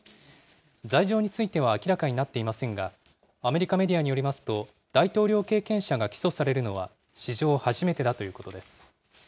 罪状については明らかになっていませんが、アメリカメディアによりますと、大統領経験者が起訴されるのは史上初めてだということです。